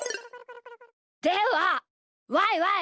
ではワイワイ！